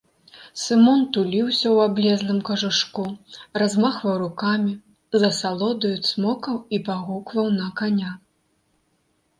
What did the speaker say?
Сымон туліўся ў аблезлым кажушку, размахваў рукамі, з асалодаю цмокаў і пагукваў на каня.